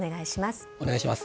お願いします。